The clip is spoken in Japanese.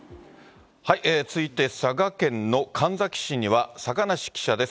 続いて佐賀県の神埼市には坂梨記者です。